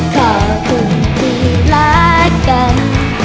ขอบคุณที่รักกัน